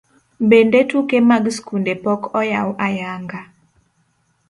Bende tuke mag skunde pok oyaw ayanga.